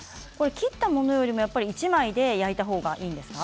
切ったものよりも１枚で焼いた方がいいですか。